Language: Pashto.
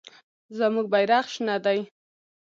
زموږ بیرغ شنه دی.